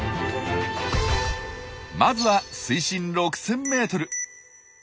まずは水深６０００ｍ。